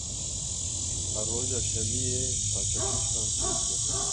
Her roja şemiyê xaçepirsan çêdike.